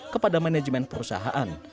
kepada manajemen perusahaan